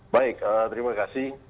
baik terima kasih